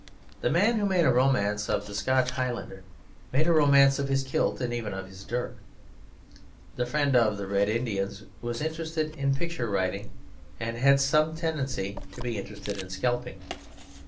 The man who made a romance of the Scotch High lander made a romance of his kilt and even of his dirk; the friend of the Red Indians was interested in picture writing and had some tendency to be interested in scalping.